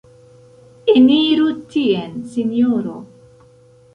Eniru tien, Sinjoro.